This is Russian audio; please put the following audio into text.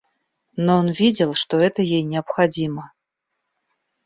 Но он видел, что это ей необходимо.